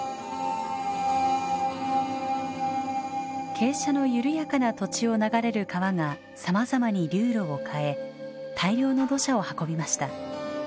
傾斜の緩やかな土地を流れる川がさまざまに流路を変え大量の土砂を運びました。